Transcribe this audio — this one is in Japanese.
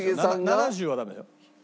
７０はダメだよ。